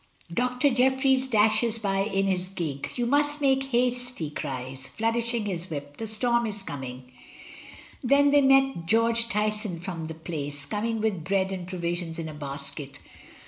Doctor Jeffries dashes by in his gig. "You must make haste," he cries, flourishing his whip; "the storm is coming." Then they meet George Tyson from the Place, coming with bread and provisions in a basket. THREE ON A HILL SIDE.